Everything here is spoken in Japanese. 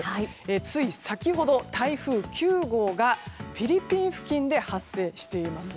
つい先ほど台風９号がフィリピン付近で発生しています。